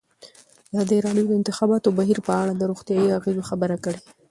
ازادي راډیو د د انتخاباتو بهیر په اړه د روغتیایي اغېزو خبره کړې.